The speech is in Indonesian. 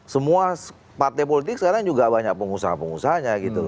semua partai politik sekarang juga banyak pengusaha pengusahanya gitu